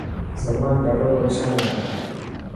سلمان ڏاڌو پريشان هي.